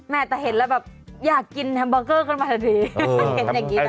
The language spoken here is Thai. แม่แต่เห็นแล้วแบบอยากกินแฮมโบกเกอร์กันมาหน่อยสิ